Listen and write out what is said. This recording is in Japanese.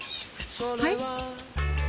はい？